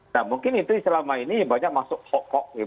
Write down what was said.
nah mungkin itu selama ini banyak masuk ho hok